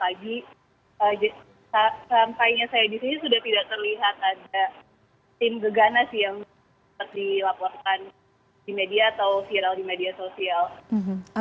pagi sampainya saya di sini sudah tidak terlihat ada tim gegana sih yang dilaporkan di media atau viral di media sosial